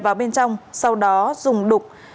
vào bên trong sau đó dùng đục